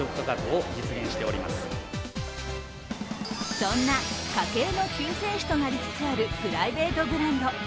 そんな家計の救世主となりつつあるプライベートブランド。